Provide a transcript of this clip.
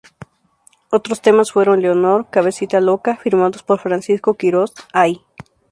Otros temas fueron ""Leonor"", ""Cabecita loca"" firmados por Francisco Quirós, ""Ay!